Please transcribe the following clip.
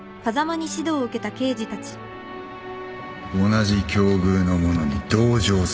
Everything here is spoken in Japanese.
同じ境遇の者に同情する